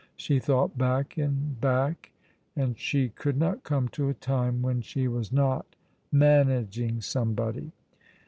She thought back and back, and she could not come to a time when she was not managing somebody.